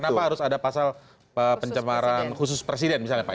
kenapa harus ada pasal pencemaran khusus presiden misalnya pak